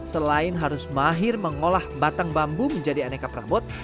selain harus mahir mengolah batang bambu menjadi aneka perabot